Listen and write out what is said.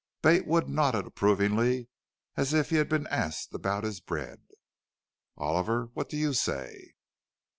Bate Wood nodded as approvingly as if he had been asked about his bread. "Oliver, what do you say?"